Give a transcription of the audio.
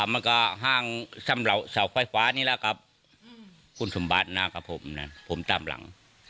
ปะมาก่าห้างสำเหล่าเสาไฟฟ้านี่ละกับคุณสมบัตินะครับผมน่ะมากออก